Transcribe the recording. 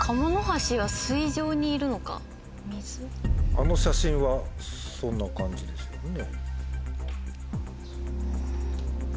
あの写真はそんな感じですよね。